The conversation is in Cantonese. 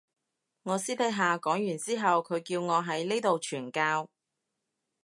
我私底下講完之後佢叫我喺呢度傳教